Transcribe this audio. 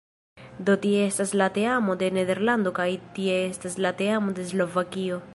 Do tie estas la teamo de Nederlando kaj tie estas la teamo de Slovakio